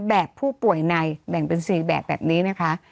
แบบผู้ป่วยในแบ่งเป็น๔แบบแบบนี้นะคะ